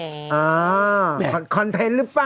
ไหนคอนเตนส์หรือเปล่า